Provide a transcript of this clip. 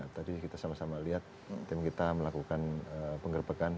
tadi kita sama sama lihat tim kita melakukan penggerbekan